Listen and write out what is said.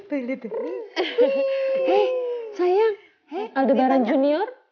hei sayang aldebaran junior